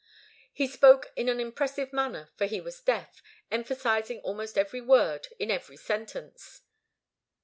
He spoke in an impressive manner, for he was deaf, emphasizing almost every word in every sentence.